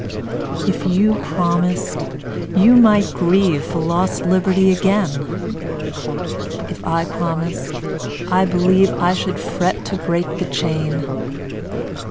If you promised, you might grieveFor lost liberty again:If I promised, I believeI should fret to break the chain.